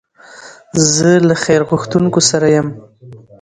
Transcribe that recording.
زه له خیر غوښتونکو سره یم.